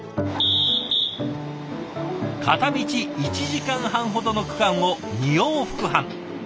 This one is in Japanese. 片道１時間半ほどの区間を２往復半。